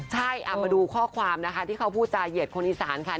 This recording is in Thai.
ใช่เอามาดูข้อความนะคะที่เขาพูดจาเหยียดคนอีสานค่ะ